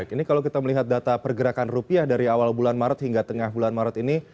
ini kalau kita melihat data pergerakan rupiah dari awal bulan maret hingga tengah bulan maret ini